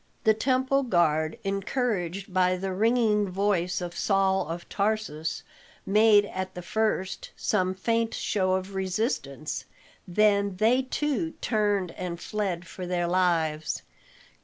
The temple guard, encouraged by the ringing voice of Saul of Tarsus, made at the first some faint show of resistance, then they too turned and fled for their lives.